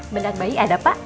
bedak bayi ada pak